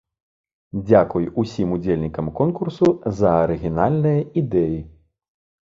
Дзякуй усім удзельнікам конкурсу за арыгінальныя ідэі!